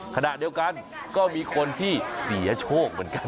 ขณะเดียวกันก็มีคนที่เสียโชคเหมือนกัน